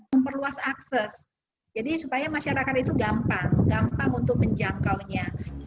memperluas akses jadi supaya masyarakat itu gampang gampang untuk menjangkaunya